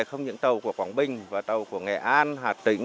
không những tàu của quảng bình và tàu của nghệ an hà tĩnh